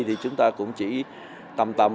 thì chúng ta cũng chỉ tầm tầm